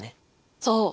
そう。